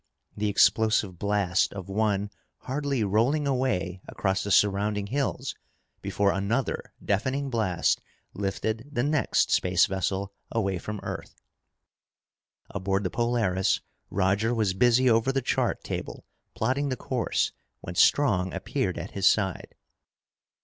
The explosive blast of one hardly rolling away across the surrounding hills before another deafening blast lifted the next space vessel away from Earth. Aboard the Polaris, Roger was busy over the chart table plotting the course when Strong appeared at his side.